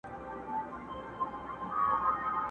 نې مني جاهل افغان ګوره چي لا څه کیږي!.